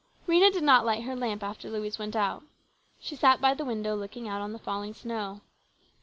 Rhena did not light her lamp after Louise went out. She sat by the window, looking out on the falling snow.